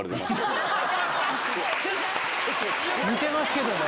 似てますけどね。